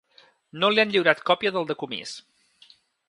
No li han lliurat còpia del decomís.